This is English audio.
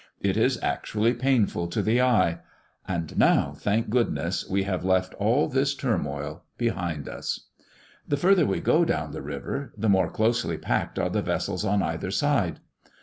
It is actually painful to the eye. And now, thank goodness, we have left all this turmoil behind us. The further we go down the river, the more closely packed are the vessels on either side.